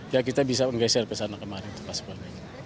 ya kita bisa menggeser ke sana kemarin